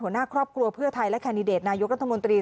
หัวหน้าครอบครัวเพื่อไทยและแคนดิเดตนายกรัฐมนตรี